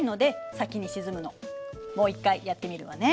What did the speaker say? もう一回やってみるわね。